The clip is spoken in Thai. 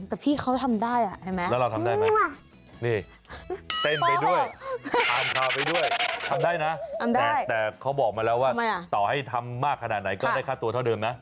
แต่เขาบอกมาแล้วว่าต่อให้ทำมากขนาดไหนก็ได้คัดตัวเท่าเดิมนะ